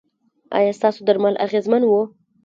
ایا ستاسو درمل اغیزمن وو؟